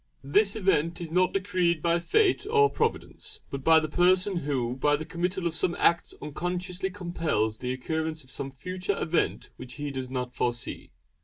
This event is not decreed by Fate or Providence, but by the person who by the committal of some act unconsciously compels the occurrence of some future event which he does not foresee.